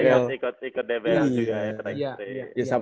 iya ikut dbl juga ya